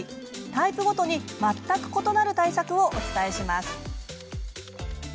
タイプごとに全く異なる対策をお伝えします。